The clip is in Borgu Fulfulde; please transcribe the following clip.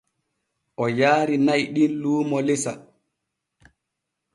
O yaari na'i ɗin luumo lesa.